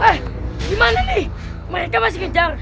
ah gimana nih mereka masih kejar